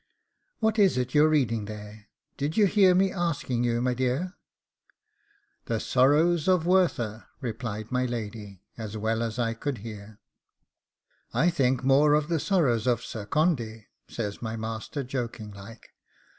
What is it you're reading there? Did you hear me asking you, my dear?' 'THE SORROWS OF WERTHER,' replies my lady, as well as I could hear. 'I think more of the sorrows of Sir Condy,' says my master, joking like.